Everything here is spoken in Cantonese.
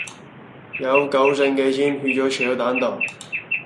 有九成嘅錢去咗個炒蛋度